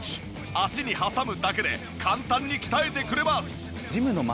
脚に挟むだけで簡単に鍛えてくれます。